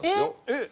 えっ！